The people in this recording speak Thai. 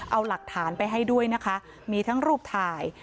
เอาหลักฐานไปให้ด้วยนะคะมีทั้งรูปถ่าย